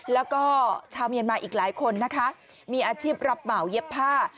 แล้วก็ชาวเมียนมาอีกหลายคนนะคะมีอาชีพรับเหมาเย็บผ้า